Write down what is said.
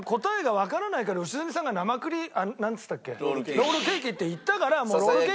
ロールケーキって言ったから。